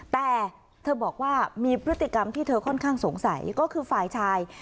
แต่เธอบอกว่ามีพฤติกรรมที่เธอค่อนข้างสงสัยก็คือฝ่ายชาย